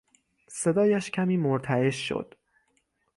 صدایش کمی مرتعش شد.